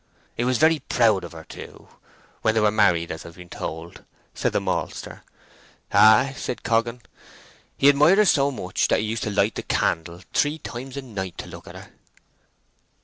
"He was very proud of her, too, when they were married, as I've been told," said the maltster. "Ay," said Coggan. "He admired her so much that he used to light the candle three times a night to look at her."